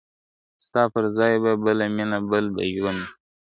ستا پر ځای به بله مینه بل به ژوند وي ,